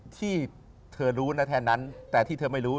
ที่เธอรู้นะแทนนั้นแต่ที่เธอไม่รู้